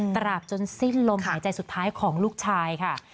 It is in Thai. ตราบจนสิ้นลมหายใจสุดท้ายของลูกชายค่ะ